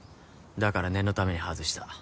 だから念のために外した。